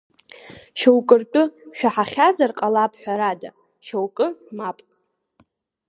Шьоукы ртәы шәаҳахьазар ҟалап ҳәарада, шьоукы мап.